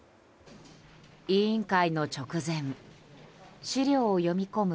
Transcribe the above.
委員会の直前資料を読み込む